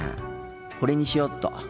これにしよっと。